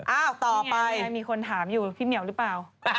ต่อไปมีคนถามอยู่พี่เหมียวหรือเปล่า